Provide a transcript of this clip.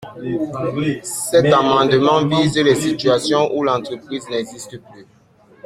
Cet amendement vise les situations où l’entreprise n’existe plus.